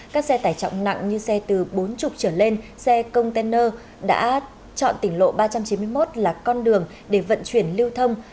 các xe tải trọng nặng như xe từ bốn mươi trở lên xe container đã chọn tỉnh lộ ba trăm chín mươi một là con đường để vận chuyển lưu thông